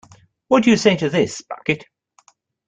What do you say to this, Bucket?